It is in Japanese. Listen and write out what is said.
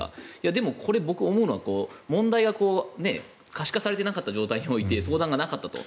でもこれ、僕思うのは問題が可視化されていなかった状態において相談がなかったと。